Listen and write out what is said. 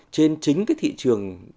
trên chính thị trường